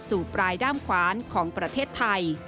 ปลายด้ามขวานของประเทศไทย